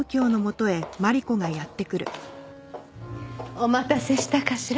お待たせしたかしら？